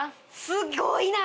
すごいな。